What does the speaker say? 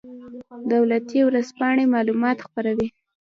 دولتي ورځپاڼې معلومات خپروي